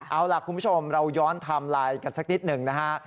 เอาล่ะคุณผู้ชมเราย้อนไทม์ไลน์กันสักนิดหนึ่งนะฮะ